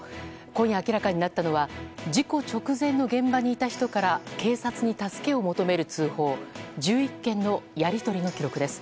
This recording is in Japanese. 今夜明らかになったのは事故直前の現場にいた人から警察に助けを求める通報１１件のやり取りの記録です。